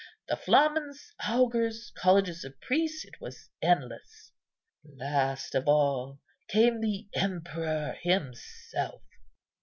The flamens, augurs, colleges of priests, it was endless. Last of all came the emperor himself."